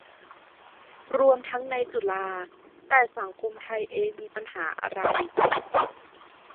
รวมทั้งในจุฬา แต่สังคมไทยเองมีปัญหาอะไร